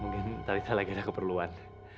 mungkin talita lagi ada keperluan